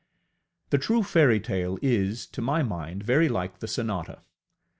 The true fairytale is, to my mind, very like the sonata.